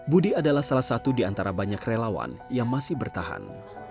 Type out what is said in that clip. budi adalah salah satu di antara banyak relawan yang masih bertahan